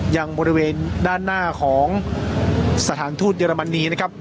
ยังบริเวณด้านหน้าของสถานทูตเยอรมนีนะครับ